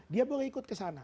dia boleh ikut ke sana